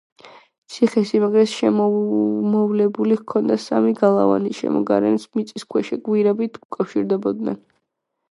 ციხე-სიმაგრეს შემოვლებული ჰქონდა სამი გალავანი, შემოგარენს მიწისქვეშა გვირაბით უკავშირდებოდნენ.